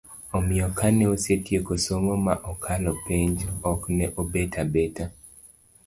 omiyo kane osetieko somo ma okalo penj, ok ne obet abeta